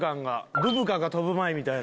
ブブカが跳ぶ前みたいな。